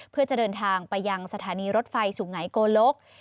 เพื่อจะเดินทางไปยังสถานีรถไฟสุไงโกลก